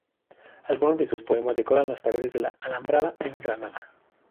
Algunos de sus poemas decoran las paredes de la Alhambra en Granada.